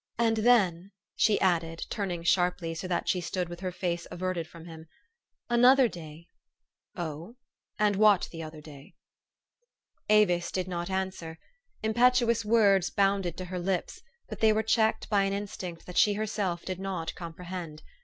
"And then," she added, turning sharply, so that she stood with her face averted from him, " another day," " Oh ! and what the other day ?" Avis did not answer. Impetuous words bounded to her lips ; but they were checked by an instinct that she herself did not comprehend.